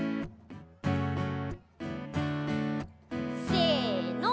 せの。